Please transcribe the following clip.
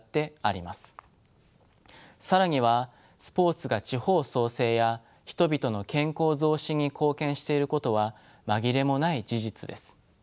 更にはスポーツが地方創生や人々の健康増進に貢献していることは紛れもない事実です。